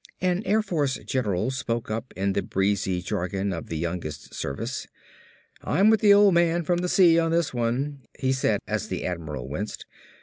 An Air Force general spoke up in the breezy jargon of the youngest service. "I'm with the old man from the sea on this one," he said as the admiral winced.